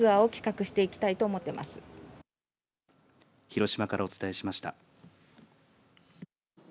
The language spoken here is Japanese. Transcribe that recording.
広島からお伝えしました。